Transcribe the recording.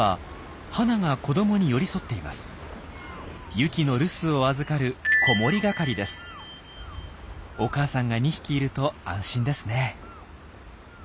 ユキの留守を預かるお母さんが２匹いると安心ですね。